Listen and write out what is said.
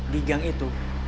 di gang itu